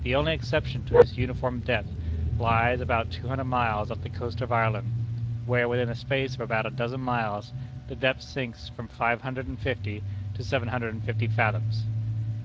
The only exception to this uniform depth, lies about two hundred miles off the coast of Ireland, where within a space of about a dozen miles, the depth sinks from five hundred and fifty to seventeen hundred and fifty fathoms!